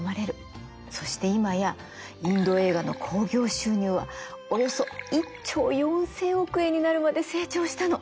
そして今やインド映画の興行収入はおよそ１兆４，０００億円になるまで成長したの！